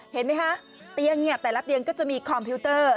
เห็นไหมคะเตียงเนี่ยแต่ละเตียงก็จะมีคอมพิวเตอร์